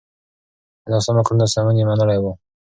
د ناسمو کړنو سمون يې منلی و.